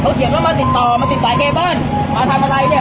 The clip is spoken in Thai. เขาเขียนว่ามาติดต่อมาติดสายเคเบิ้ลมาทำอะไรเนี่ย